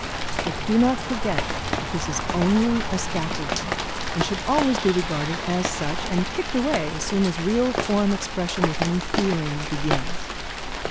But do not forget that this is only a scaffolding, and should always be regarded as such and kicked away as soon as real form expression with any feeling begins.